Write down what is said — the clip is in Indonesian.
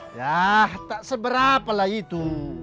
yah tak seberapalah itu